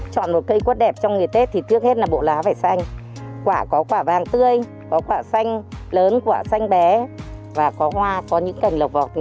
cảm ơn quý vị đã quan tâm theo dõi